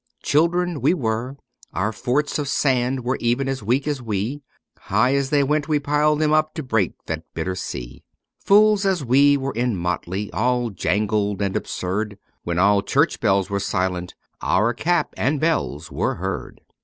Children we were — our forts of sand were even as weak as we, High as they went we piled them up to break that bitter sea. Fools as we were in motley, all jangled and absurd, When all church bells were silent, our cap and bells were heard.